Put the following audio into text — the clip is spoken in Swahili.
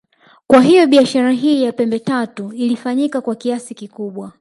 Kwa hiyo biashara hii ya pembe tatu ilifanyika kwa kiasi kikubwa